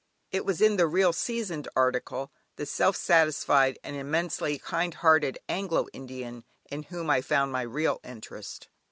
It was in the real seasoned article, the self satisfied, and immensely kind hearted Anglo Indian, in whom I found my real interest.